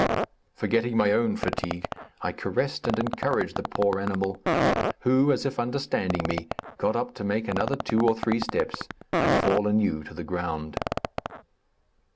Forgetting my own fatigue, I caressed and encouraged the poor animal, who, as if understanding me, got up to make another two or three steps and fall anew to the ground.